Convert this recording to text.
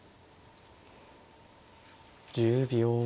１０秒。